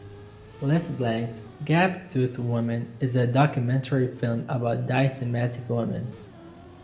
Les Blank's "Gap-Toothed Women" is a documentary film about diastematic women.